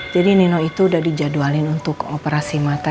jadi nino itu udah dijadwalin untuk operasi mata